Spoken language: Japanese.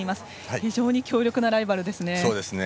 非常に強力なライバルですね。